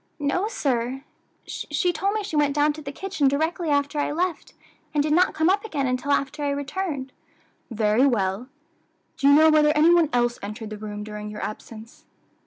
"No, sir; she told me she went down to the kitchen directly after I left, and did not come up again until after I returned." "Very well; do you know whether any one else entered the room during your absence?"